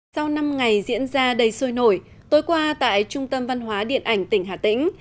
sau năm ngày diễn ra đầy sôi nổi tối qua tại trung tâm văn hóa điện ảnh tỉnh hà tĩnh